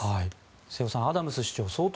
瀬尾さん、アダムス市長相当